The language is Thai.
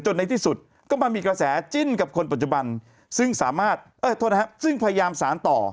ในที่สุดก็มามีกระแสจิ้นกับคนปัจจุบันซึ่งสามารถโทษนะครับซึ่งพยายามสารต่อ